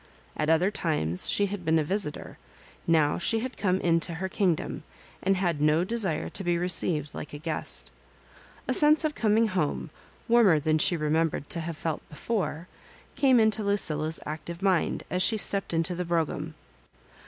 At other times she had been a visitor ; now she had come into her kingdom, and had no de sire to be received like a guest A sense of coming home, warmer than she remembered to have felt before, came into Lucilla's active mind as she stepped into the brougham.